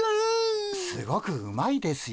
すごくうまいですよ。